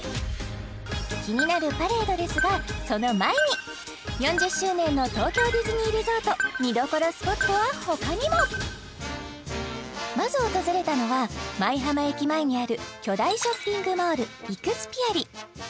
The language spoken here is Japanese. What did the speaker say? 気になるパレードですがその前に４０周年の東京ディズニーリゾート見どころスポットはほかにもまず訪れたのは舞浜駅前にある巨大ショッピングモールイクスピアリ